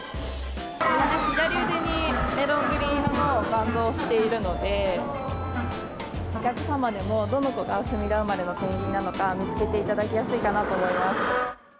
左腕に、メロングリーン色のバンドをしているので、お客様でも、どの子が墨田生まれのペンギンなのか、見つけていただきやすいかなと思います。